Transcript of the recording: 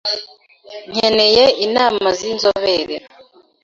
Nkeneye inama zinzobere.